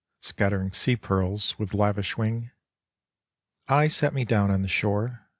Scattering sea pearls with lavish wing, I sat me down on the shore.